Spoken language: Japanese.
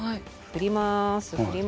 降ります。